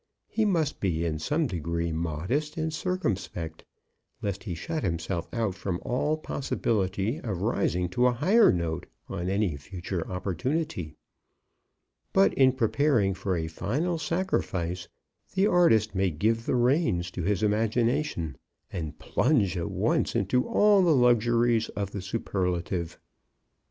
He must be in some degree modest and circumspect, lest he shut himself out from all possibility of rising to a higher note on any future opportunity. But in preparing for a final sacrifice the artist may give the reins to his imagination, and plunge at once into all the luxuries of the superlative.